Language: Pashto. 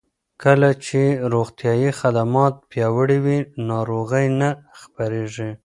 کله چې روغتیايي خدمات پیاوړي وي، ناروغۍ نه خپرېږي.